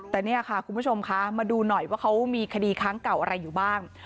แต่เนี่ยค่ะคุณผู้ชมคะมาดูหน่อยว่าเขามีคดีค้างเก่าอะไรอยู่บ้าง